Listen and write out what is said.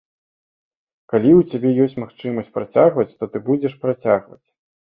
Калі ў цябе ёсць магчымасць працягваць, то ты будзеш працягваць.